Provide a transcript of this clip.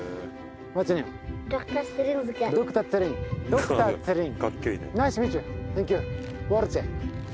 ドクターツィリン？